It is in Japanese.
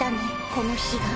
この日が。